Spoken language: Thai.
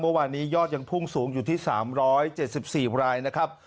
ว่าวันนี้ยอดยังพุ่งสูงอยู่ที่๓๗๔รายนะครับ